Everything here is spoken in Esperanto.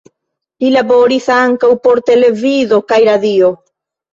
Li laboris ankaŭ por televido kaj radio.